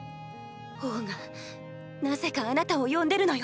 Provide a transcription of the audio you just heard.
王がなぜかあなたを呼んでるのよ！